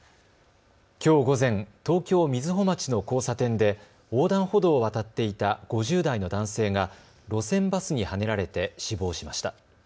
きょう午前、東京瑞穂町の交差点で横断歩道を渡っていた５０代の男性が路線バスにはねられて死亡しました。